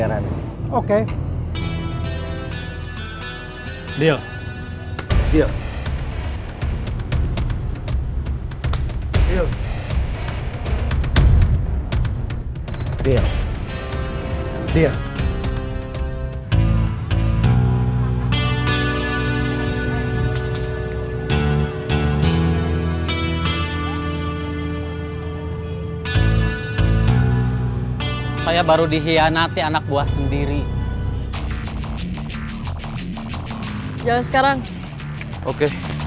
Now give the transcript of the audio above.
orang saya langsung tergerak